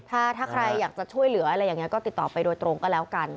ถ้าใครอยากจะช่วยเหลืออะไรอย่างนี้ก็ติดต่อไปโดยตรงก็แล้วกัน